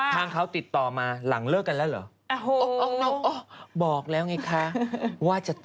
ทางเขาติดต่อมาหลังเลิกกันแล้วเหรอ